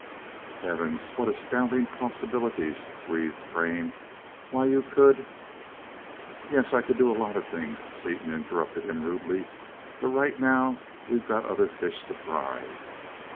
"Heavens, what astounding possibilities!" breathed Crane. "Why, you could...." "Yeah, I could do a lot of things," Seaton interrupted him rudely, "but right now we've got other fish to fry.